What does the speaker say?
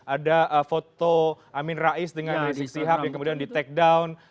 ada foto amin rais dengan rizik sihab yang kemudian di take down